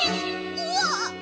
うわっ！